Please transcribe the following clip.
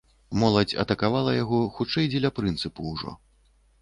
Моладзь атакавала яго, хутчэй дзеля прынцыпу ўжо.